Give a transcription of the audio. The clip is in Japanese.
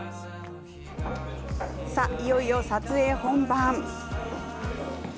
いよいよ撮影本番。